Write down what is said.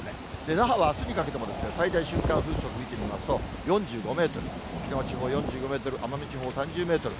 那覇はあすにかけても、最大瞬間風速見てみますと、４５メートル、沖縄地方４５メートル、奄美地方３０メートル。